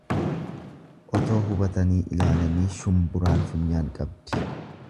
Otoo hubatanii ilaalanii shumburaan funyaan qabdi.